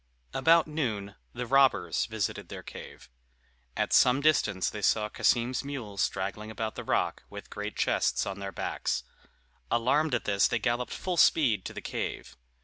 About noon the robbers visited their cave. At some distance they saw Cassim's mules straggling about the rock, with great chests on their backs. Alarmed at this, they galloped full speed to the cave.